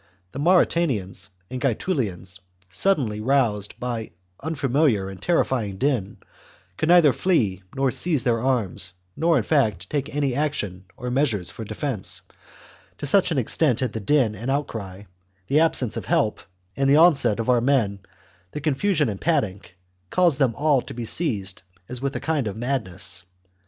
The Mauritanians and Gaetulians, suddenly roused byan unfamiliar and terrifyingdin, could neither flee nor seize their arms, nor, in fact, take any action or measures for defence, to such an extent had the din and outcry, the absence of help, and the onset of our men, the confusion and panic, caused them all to be seized as with a kind of madness.